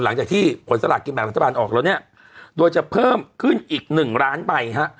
หลังจากที่ผลสลากกินแบ่งรัฐบาลออกแล้วเนี่ยโดยจะเพิ่มขึ้นอีกหนึ่งล้านใบฮะ